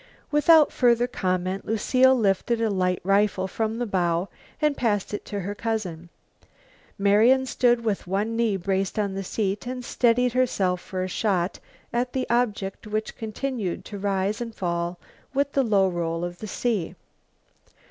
Without further comment Lucile lifted a light rifle from the bow and passed it to her cousin. Marian stood with one knee braced on the seat and steadied herself for a shot at the object which continued to rise and fall with the low roll of the sea.